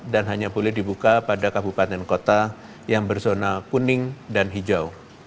dan hanya boleh dibuka pada kabupaten kota yang berzona kuning dan hijau